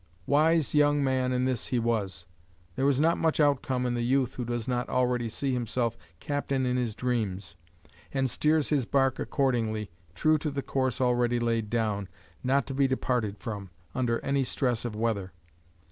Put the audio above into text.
Wise young man in this he was. There is not much outcome in the youth who does not already see himself captain in his dreams, and steers his barque accordingly, true to the course already laid down, not to be departed from, under any stress of weather.